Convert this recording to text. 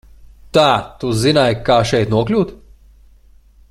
Tā tu zināji, kā šeit nokļūt?